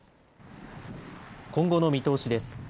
今後の見通しです。